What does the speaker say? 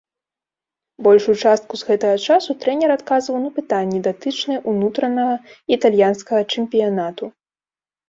Большую частку з гэтага часу трэнер адказваў на пытанні, датычныя унутранага італьянскага чэмпіянату.